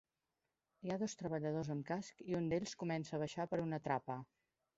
Hi ha dos treballadors amb casc i un d'ells comença a baixar per una trapa.